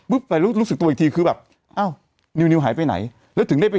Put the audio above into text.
ไปรู้สึกตัวอีกทีคือแบบอ้าวนิวหายไปไหนแล้วถึงได้ไป